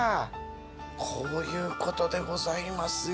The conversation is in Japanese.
こういうことでございますよ。